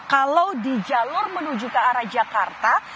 kalau di jalur menuju ke arah jakarta